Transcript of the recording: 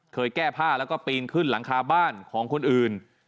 แก้ผ้าแล้วก็ปีนขึ้นหลังคาบ้านของคนอื่น